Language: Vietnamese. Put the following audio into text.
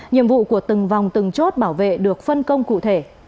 nhiệm vụ của từng vòng từng chốt bảo vệ được phân công cụ thể